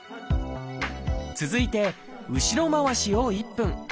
続いて後ろ回しを１分。